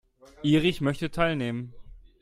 Erich möchte teilnehmen.